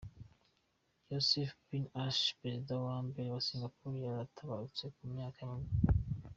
Yusof bin Ishak, perezida wa mbere wa Singapore yaratabarutse ku myaka y’amavuko.